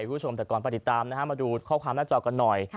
คุณผู้ชมแต่ก่อนไปติดตามนะฮะมาดูข้อความหน้าจอกันหน่อย